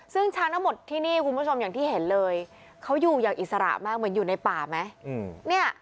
ซึ่งช้างทั้งหมดที่นี่คุณผู้ชมอย่างที่เห็นเลยเขาอยู่อย่างอิสระมากเหมือนอยู่ในป่าไหม